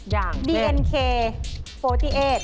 อย่างดิเอ็นเค๔๘